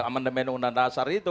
amandemen undang dasar itu